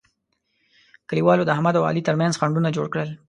کلیوالو د احمد او علي ترمنځ خنډونه جوړ کړل.